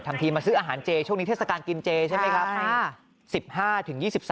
ทีมาซื้ออาหารเจช่วงนี้เทศกาลกินเจใช่ไหมครับ